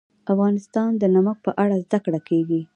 افغانستان کې د نمک په اړه زده کړه کېږي.